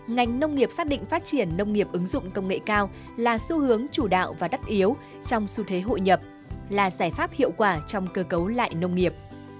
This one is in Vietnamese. ngành nông nghiệp xác định phát triển nông nghiệp ứng dụng công nghệ cao là xu hướng chủ đạo và đắt yếu trong xu thế hội nhập là giải pháp hiệu quả trong cơ cấu lại nông nghiệp